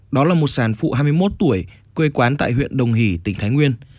đó là một sản phụ hai mươi một tuổi quê quán tại huyện đồng hỷ tỉnh thái nguyên